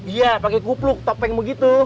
iya pakai kupluk topeng begitu